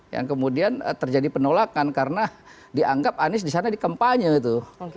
yang kemudian terjadi penolakan karena dianggap anies di sana di kampanye itu